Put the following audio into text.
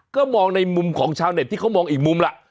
ก็มองในมุมของชาวเน็ตที่เขามองอีกมุมล่ะ